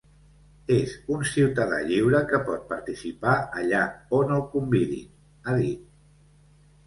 És un ciutadà lliure que pot participar allà on el convidin, ha dit.